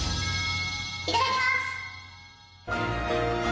いただきます。